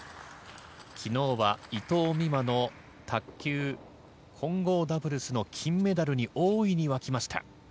昨日は伊藤美誠の卓球混合ダブルスの金メダルに大いに沸きました。